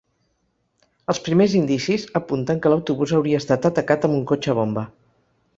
Els primers indicis apunten que l’autobús hauria estat atacat amb un cotxe bomba.